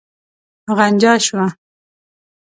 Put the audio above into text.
غنجا شوه.